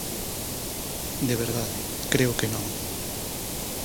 De verdade, creo que non.